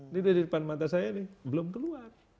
ini dari depan mata saya nih belum keluar